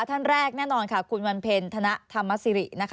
ท่านแรกแน่นอนค่ะคุณวันเพ็ญธนธรรมสิรินะคะ